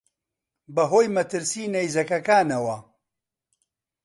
بە هۆی مەترسیی نەیزەکەکانەوە